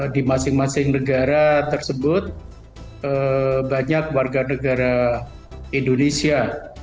di masing masing negara tersebut banyak warga negara indonesia